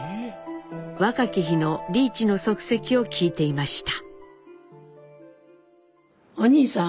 若き日の利一の足跡を聞いていました。